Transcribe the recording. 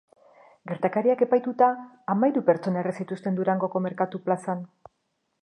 Gertakariak epaituta hamahiru pertsona erre zituzten Durangoko merkatu plazan.